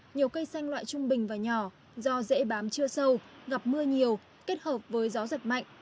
nhiều cây xanh loại trung bình và nhỏ do dễ bám chưa sâu gặp mưa nhiều kết hợp với gió giật mạnh